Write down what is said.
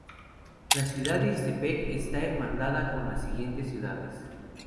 La ciudad de Ciudad Ixtepec está hermanada con las siguientes ciudades